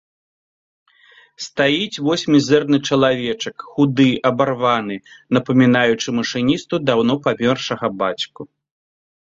Стаіць вось мізэрны чалавечак, худы, абарваны, напамінаючы машыністу даўно памёршага бацьку.